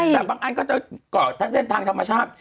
และบางอันก็เป็นตั้นแสนทางธรรมชาติ